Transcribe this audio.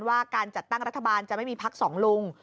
ว่าการจัดตั้งรัฐบาลจะไม่มีพักสองลุง